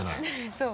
そう。